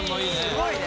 すごいね。